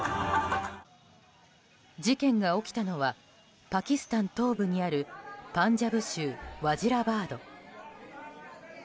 事件が起きたのはパキスタン東部にあるパンジャブ州ワジラバード。